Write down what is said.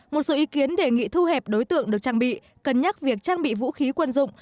một số ý kiến đề nghị thu hẹp đối tượng được trang bị cân nhắc việc trang bị vũ khí quân dụng